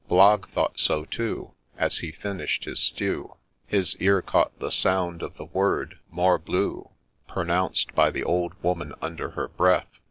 Blogg thought so too ;— As he finish'd his stew, His ear caught the sound of the word ' Morbleu I ' Pronounced by the old woman under her breath.